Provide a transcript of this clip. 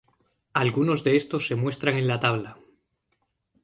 Algunos de estos se muestran en la tabla.